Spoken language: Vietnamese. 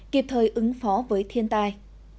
kịp thời ứng phó với thiên tai